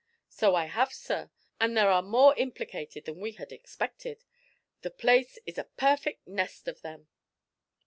"So I have, sir, and there are more implicated than we had expected. The place is a perfect nest of them."